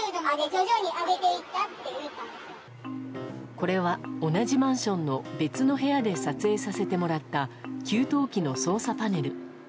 これは同じマンションの別の部屋で撮影させてもらった給湯器の操作パネル。